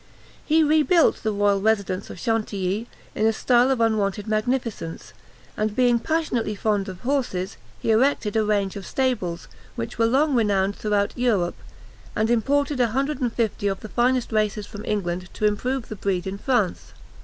He rebuilt the royal residence of Chantilly in a style of unwonted magnificence; and being passionately fond of horses, he erected a range of stables, which were long renowned throughout Europe, and imported a hundred and fifty of the finest racers from England to improve the breed in France.